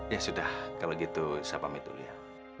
ya sudah kalau gitu saya pamit dulu ya